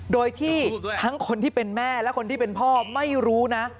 โดยที่ทั้งคนที่เป็นแม่และคนที่เป็นพ่อไม่รู้นะ